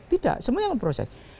tidak semuanya memproses